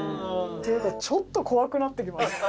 っていうか、ちょっと怖くなってきましたね。